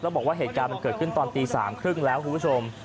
บอกว่าเหตุการณ์มันเกิดขึ้นตอนตี๓๓๐แล้วคุณผู้ชม